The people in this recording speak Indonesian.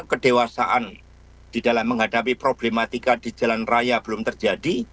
kedewasaan di dalam menghadapi problematika di jalan raya belum terjadi